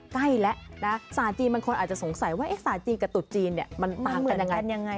ใกล้แล้วนะสารจีนบางคนอาจจะสงสัยว่าศาสตร์จีนกับตุ๊จีนเนี่ยมันต่างกันยังไง